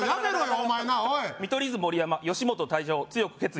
お前なあ「見取り図・盛山吉本退社を強く決意」